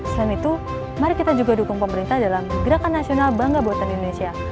selain itu mari kita juga dukung pemerintah dalam gerakan nasional bangga buatan indonesia